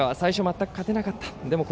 チームは最初、全く勝てなかった。